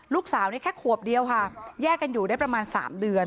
ลูกสาวนี่แค่ขวบเดียวค่ะแยกกันอยู่ได้ประมาณ๓เดือน